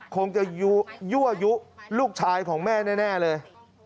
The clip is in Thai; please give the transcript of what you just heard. คงจะยั่วยุลูกชายของแม่แน่เลย